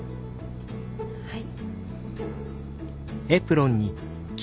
はい。